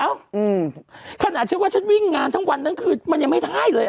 อืมขนาดฉันว่าฉันวิ่งงานทั้งวันทั้งคืนมันยังไม่ได้เลยอ่ะ